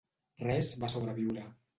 Res va sobreviure.